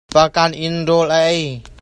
Pakaan in rawl kan ei.